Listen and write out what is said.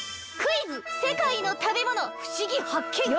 クイズ世界の食べ物ふしぎ発見！